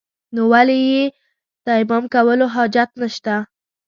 نو ولې يې تيمم کولو حاجت نشته.